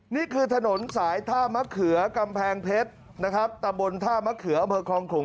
นี่คือถนนสายท่ามะเขือกำแพงเพชรนะครับตะบนท่ามะเขืออำเภอคลองขลุง